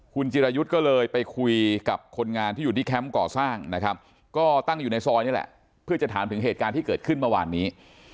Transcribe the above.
คุณจิรายุทธ์ก็เลยไปคุยกับคนงานที่อยู่ที่แคมป์ก่อสร้างนะครับก็ตั้งอยู่ในซอยนี่แหละเพื่อจะถามถึงเหตุการณ์ที่เกิดขึ้นเมื่อวานนี้